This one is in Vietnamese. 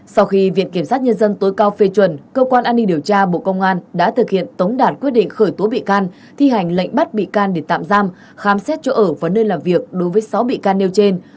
sau khi viện kiểm sát nhân dân tối cao phê chuẩn cơ quan an ninh điều tra bộ công an đã thực hiện tống đạt quyết định khởi tố bị can thi hành lệnh bắt bị can để tạm giam khám xét chỗ ở và nơi làm việc đối với sáu bị can nêu trên